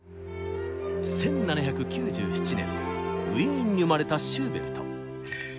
１７９７年ウィーンに生まれたシューベルト。